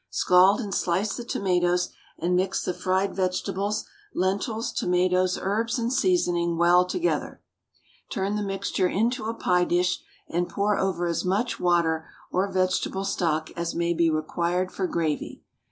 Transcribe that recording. Scald and slice the tomatoes, and mix the fried vegetables, lentils, tomatoes, herbs, and seasoning well together. Turn the mixture into a pie dish, and pour over as much water or vegetable stock as may be required for gravy.